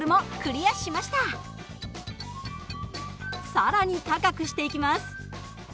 更に高くしていきます。